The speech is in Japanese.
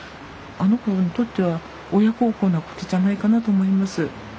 あの子にとっては親孝行なことじゃないかなと思います。